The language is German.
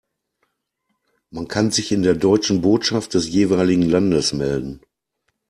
Man kann sich in der deutschen Botschaft des jeweiligen Landes melden.